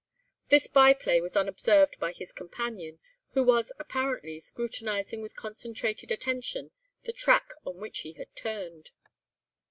This byplay was unobserved by his companion, who was apparently scrutinising with concentrated attention the track on which he had turned.